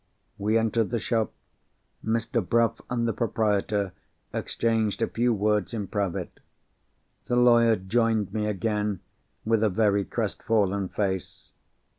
We entered the shop. Mr. Bruff and the proprietor exchanged a few words in private. The lawyer joined me again, with a very crestfallen face.